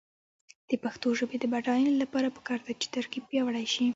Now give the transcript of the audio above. د پښتو ژبې د بډاینې لپاره پکار ده چې ترکیب پیاوړی شي.